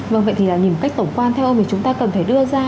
vâng vậy thì là nhìn một cách tổng quan theo ông thì chúng ta cần phải đưa ra